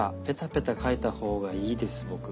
ペタペタ描いた方がいいです僕。